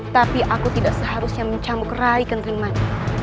tapi aku tidak seharusnya mencambuk rai contremani